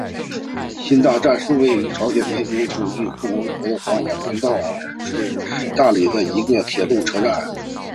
新大站是位于朝鲜民主主义人民共和国黄海南道瓜饴郡新大里的一个铁路车站。